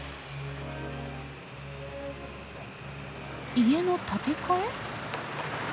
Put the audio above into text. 家の建て替え？